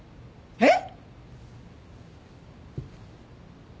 えっ？